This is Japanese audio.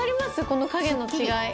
この影の違い。